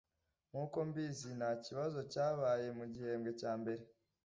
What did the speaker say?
Nkuko mbizi, ntakibazo cyabaye mugihembwe cya mbere.